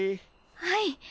はい。